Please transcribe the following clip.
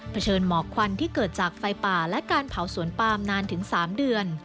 เชิญหมอกควันที่เกิดจากไฟป่าและการเผาสวนปามนานถึง๓เดือน